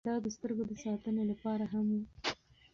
دا د سترګو د ساتنې لپاره هم و.